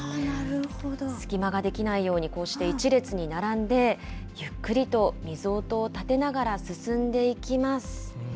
隙間が出来ないように、こうして１列に並んで、ゆっくりと水音を立てながら進んでいきます。